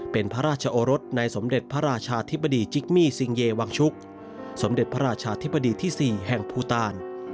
เป็นพระราชโอรสในสมเด็จพระราชาธิบดีจิกมี่ซิงเยวังชุกสมเด็จพระราชาธิบดีที่๔แห่งภูตาล